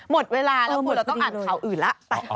หมดเวลาแล้วคุณเราต้องอ่านข่าวอื่นแล้ว